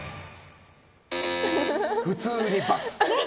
普通に×。